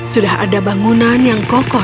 sudah ada bangunan yang kokoh